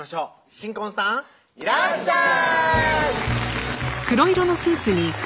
新婚さんいらっしゃい！